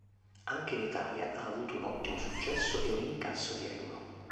Anche in Italia ha avuto un ottimo successo e un incasso di euro.